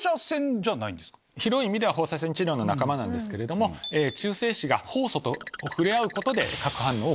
広い意味では放射線治療の仲間なんですけど中性子がホウ素と触れ合うことで核反応を起こす。